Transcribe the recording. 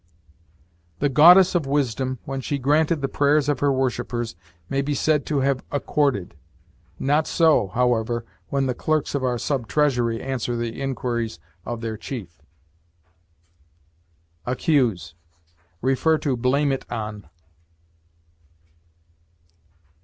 The goddess of wisdom, when she granted the prayers of her worshipers, may be said to have accorded; not so, however, when the clerks of our Sub Treasury answer the inquiries of their chief. ACCUSE. See BLAME IT ON.